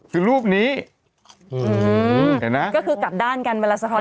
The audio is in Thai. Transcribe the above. คือรูปนี้อืมเห็นไหมก็คือกลับด้านกันเวลาสะท้อน